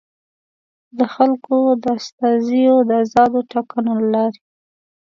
د خلکو د استازیو د ازادو ټاکنو له لارې.